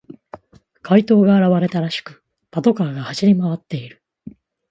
怪盗が現れたらしく、パトカーが走り回っている。